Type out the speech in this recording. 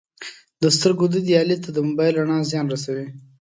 د سترګو دید یا لید ته د موبایل رڼا زیان رسوي